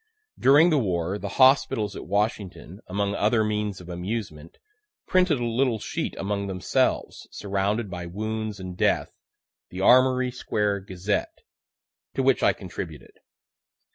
During the war, the hospitals at Washington, among other means of amusement, printed a little sheet among themselves, surrounded by wounds and death, the "Armory Square Gazette," to which I contributed.